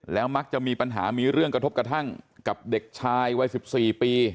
มักจะมีปัญหามีเรื่องกระทบกระทั่งกับเด็กชายวัย๑๔ปี